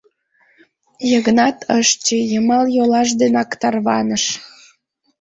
Йыгнат ыш чий, йымал йолаш денак тарваныш.